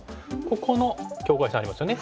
ここの境界線ありますよね。